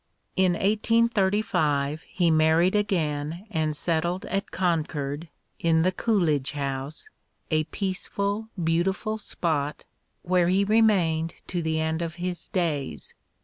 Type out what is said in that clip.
In 1835 he married again and settled at Concord, in the Coolidge house, a peaceful, beautiful spot, where he remained to the end of his days.